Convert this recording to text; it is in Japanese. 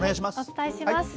お伝えします。